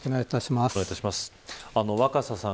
若狭さん